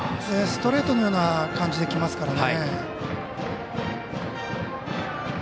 ストレートのような感じできますからね。